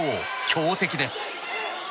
強敵です。